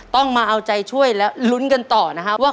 ต้องมาเอาใจช่วยและลุ้นกันต่อนะครับว่า